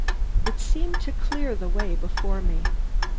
It seemed to clear the way before me.